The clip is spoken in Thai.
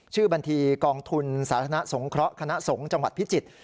ชื่อบัญชีกองทุนสาธารณะสงเคราะห์คณะสงฆ์จังหวัดพิจิตร